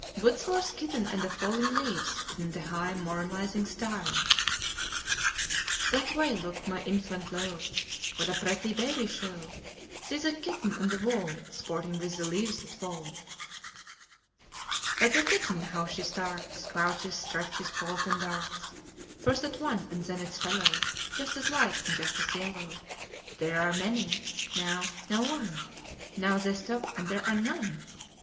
Wordsworth's "Kitten and the Falling Leaves," is in the high, moralizing style. "That way look, my Infant, lo! What a pretty baby show. See the kitten on the wall, Sporting with the leaves that fall, "But the kitten, how she starts, Crouches, stretches, paws, and darts First at one and then its fellow, Just as light and just as yellow: There are many now now one, Now they stop, and there are none.